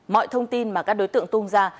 mọi thông tin mà các đối tượng tung ra